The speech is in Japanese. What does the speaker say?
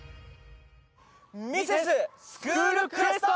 『ミセススクールクエスト』！